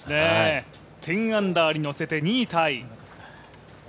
１０アンダーに乗せて、２位タイ。